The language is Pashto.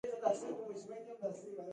هغه څه چې تا بيا څو شېبې وروسته وکړل.